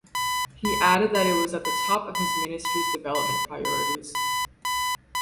He added that it was at the top of his ministry’s development priorities.